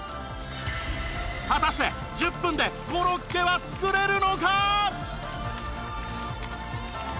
果たして１０分でコロッケは作れるのか？